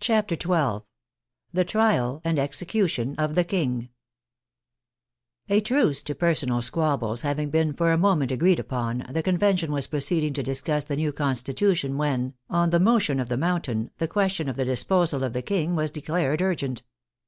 CHAPTER XII THE TRIAL AND EXECUTION OF THE KING A TRUCE to personal squabbles having been for a mo ment agreed upon, the Convention was proceeding to dis cuss the new Constitution when, on the motion of the Mountain, the question of the disposal of the King was declared urgent.